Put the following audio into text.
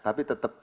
ya tapi tetap